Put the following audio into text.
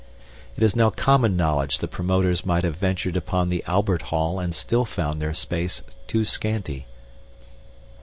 It is now common knowledge the promoters might have ventured upon the Albert Hall and still found their space too scanty.